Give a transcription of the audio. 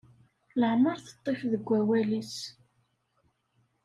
Leɛmeṛ teṭṭif deg wawal-is.